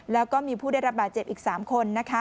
แล้วก็มีผู้ได้รับบาดเจ็บอีก๓คน